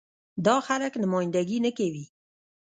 دا خلک نماينده ګي نه کوي.